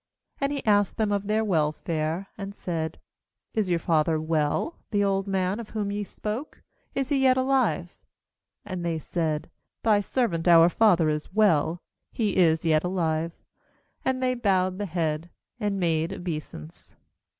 27And he asked them of their welfare, and said: 'Is your father well, the old man of whom ye spoke? Is he yet alive?' 28And they said :* Thy servant our father is well, he is yet alive.' And they bowed the head, and made obeisance.